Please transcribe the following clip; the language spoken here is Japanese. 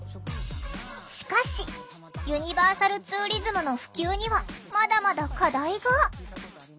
しかしユニバーサルツーリズムの普及にはまだまだ課題が。